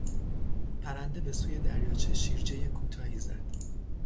پرنده بهسوی دریاچه شیرجهی کوتاهی زد.